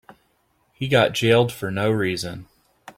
He got jailed for no reason.